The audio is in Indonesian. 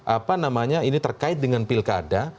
apa namanya ini terkait dengan pilkada